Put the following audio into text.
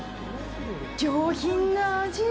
上品な味！